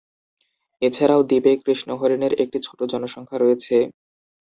এছাড়াও দ্বীপে কৃষ্ণ হরিণের একটি ছোট জনসংখ্যা রয়েছে।